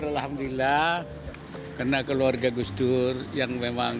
syukur alhamdulillah karena keluarga gusdur yang memang